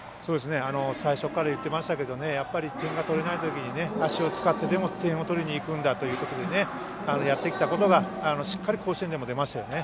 最初から言っていましたけど点が取れないときに足を使ってでも点を取りにいくんだということでやってきたことがしっかり甲子園でも出ましたよね。